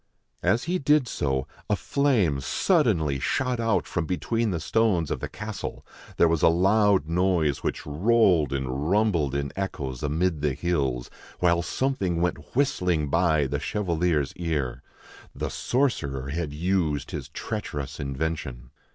As he did so, a flame suddenly shot out from between the stones of the castle, there was a loud noise which rolled and rumbled in echoes amid the hills, while something went whistling by the chevalier's ear. The sorcerer had used his treacherous invention.